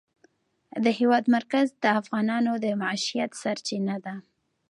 د هېواد مرکز د افغانانو د معیشت سرچینه ده.